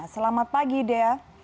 selamat pagi dea